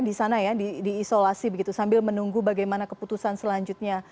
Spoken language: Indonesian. di sana ya diisolasi begitu sambil menunggu bagaimana keputusan selanjutnya